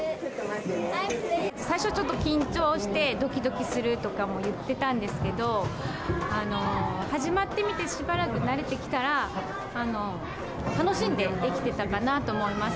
最初、ちょっと緊張して、どきどきするとかも言ってたんですけど、始まってみて、しばらく慣れてきたら、楽しんでできてたかなと思います。